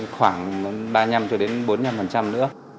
khoảng ba bốn năm nữa